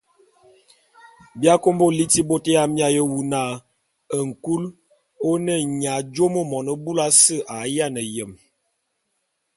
Bi akômo liti bôt ya miaé wu na nkul ô ne nya jùomo mone búlù ase a yiane yem.